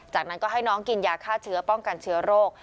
จากนั้นก็ให้น้องกินยาฆ่าเชื้อป้องกันเชื้อโรค